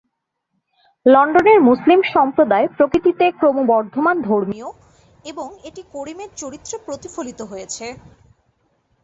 লন্ডনের মুসলিম সম্প্রদায় প্রকৃতিতে ক্রমবর্ধমান ধর্মীয় এবং এটি করিমের চরিত্রে প্রতিফলিত হয়েছে।